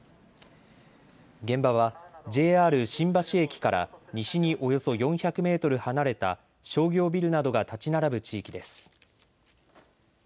現場はＪＲ新橋駅から西におよそ４００メートル離れた商業ビルなどが建ち並ぶ地域です。